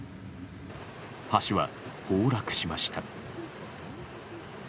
橋は崩落しました。